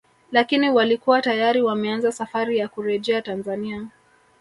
Lakini walikuwa tayari wameanza safari ya kurejea Tanzania